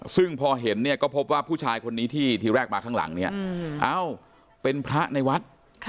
ซึ่งพอเห็นเนี่ยก็พบว่าผู้ชายคนนี้ที่ทีแรกมาข้างหลังเนี่ยเอ้าเป็นพระในวัด